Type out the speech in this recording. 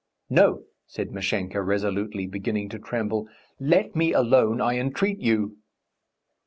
"No!" said Mashenka resolutely, beginning to tremble. "Let me alone, I entreat you!"